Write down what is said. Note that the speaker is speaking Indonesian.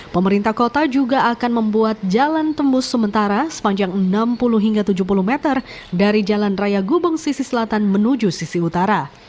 pemerintah kota juga akan membuat jalan tembus sementara sepanjang enam puluh hingga tujuh puluh meter dari jalan raya gubeng sisi selatan menuju sisi utara